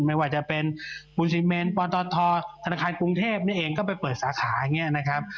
ไม่ว่าจะเป็นปูนซีเมนปตทธนาคารกรุงเทพนี่เองก็ไปเปิดสาขาอย่างนี้นะครับ